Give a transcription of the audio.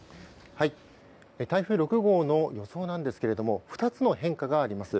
台風６号の予想なんですが２つの変化があります。